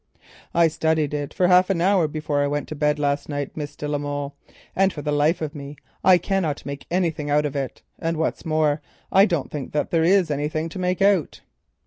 "I studied it for half an hour before I went to bed last night, Miss de la Molle, and for the life of me I could not make anything out of it, and what's more, I don't think that there is anything to make out."